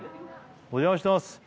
お邪魔してます